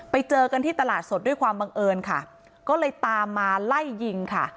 ไปเจอกันที่ตลาดสดด้วยความบังเอิญค่ะก็เลยตามมาไล่ยิงค่ะ